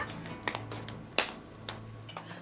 saya benci sama kamu